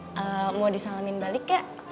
kalau mau disalamin balik ya